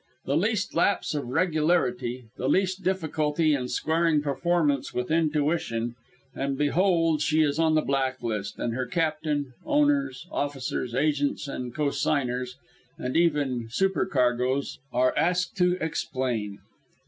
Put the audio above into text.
The least lapse of "regularity," the least difficulty in squaring performance with intuition, and behold she is on the black list, and her captain, owners, officers, agents and consignors, and even supercargoes, are asked to explain.